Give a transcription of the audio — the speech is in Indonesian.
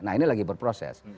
nah ini lagi berproses